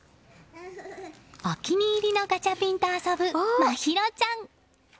お気に入りのガチャピンと遊ぶ真寛ちゃん。